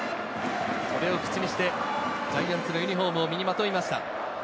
それを口にしてジャイアンツのユニホームを身にまといました。